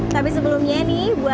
tapi sebelumnya nih